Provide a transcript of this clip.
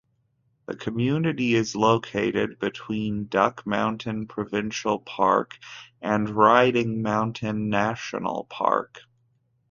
The community is located between Duck Mountain Provincial Park and Riding Mountain National Park.